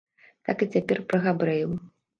Так і цяпер пра габрэяў.